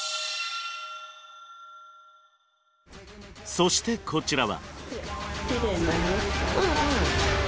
そしてこちらは。